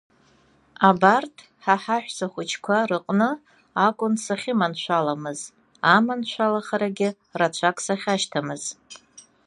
Абарҭ ҳа ҳаҳәсахәыҷқәа рыҟны акәын сахьыманшәаламыз, аманшәалахарагьы рацәак сахьашьҭамыз.